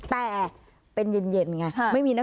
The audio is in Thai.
แต่เป็นเย็นไง